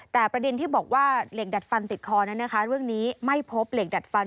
แต่ประเด็นที่บอกว่าเหล็กดัดฟันติดคอนั้นนะคะเรื่องนี้ไม่พบเหล็กดัดฟัน